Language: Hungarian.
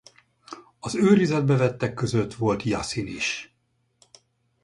Az őrizetbe vettek között volt Jasin is.